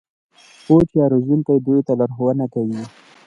کوچ یا روزونکی دوی ته لارښوونه کوي.